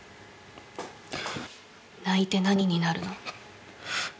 泣いて何になるの。